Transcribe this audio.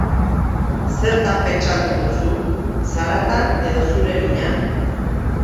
Zertan pentsatu duzu, zaratan edo zure minan?.